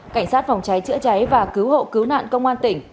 cảnh sát phòng trái chữa trái và cứu hộ cứu nạn công an tỉnh